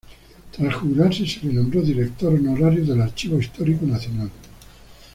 Tras jubilarse se le nombró director honorario del Archivo Histórico Nacional.